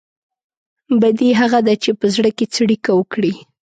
بدي هغه ده چې په زړه کې څړيکه وکړي.